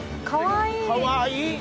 かわいい。